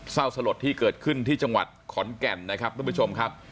สลดที่เกิดขึ้นที่จังหวัดขอนแก่นนะครับทุกผู้ชมครับ